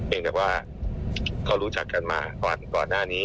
แต่ว่าเขารู้จักกันมาก่อนหน้านี้